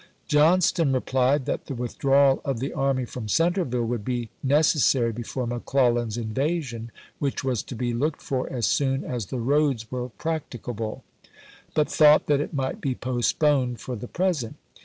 Johnston replied that the withdrawal of tioSK 'ge. the army from Centreville would be necessary be fore McClellan's invasion, — which was to be looked for as soon as the roads were practicable, — but thought that it might be postponed for the present.